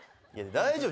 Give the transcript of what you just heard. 大丈夫？